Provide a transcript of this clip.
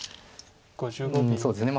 うんそうですよね。